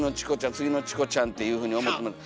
次のチコちゃんっていうふうに思ってもらって。